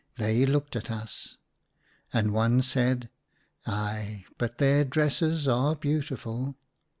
They looked at us. And one said —" Ai ! but their dresses are beautiful